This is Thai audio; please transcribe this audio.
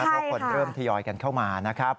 เพราะคนเริ่มทยอยกันเข้ามานะครับ